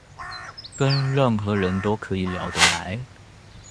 跟任何人都可以聊得來